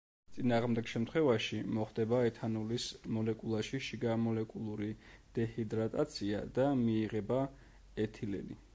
წინააღმდეგ შემთხვევაში მოხდება ეთანოლის მოლეკულაში შიგამოლეკულური დეჰიდრატაცია და მიიღება ეთილენი.